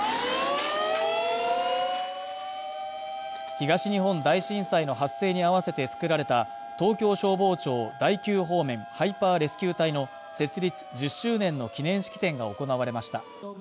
東日本大震災の発生に合わせて作られた東京消防庁第９方面ハイパーレスキュー隊の設立１０周年の記念式典が行われました。